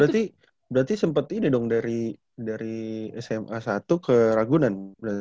oh berarti sempet ini dong dari sma satu ke ragunan